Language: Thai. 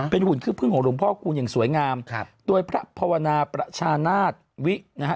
เป็นหุ่นขี้พึ่งของหลวงพ่อคูณอย่างสวยงามครับโดยพระภาวนาประชานาศวินะฮะ